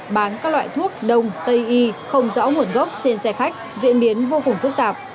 bán các loại thuốc đông tây y không rõ nguồn gốc trên xe khách diễn biến vô cùng phức tạp